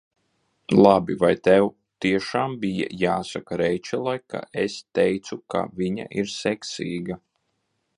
Labi, vai tev tiešām bija jāsaka Reičelai, ka es teicu, ka viņa ir seksīga?